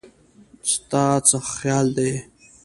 ستا څه خيال دی